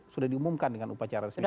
sudah diumumkan dengan upacara resmi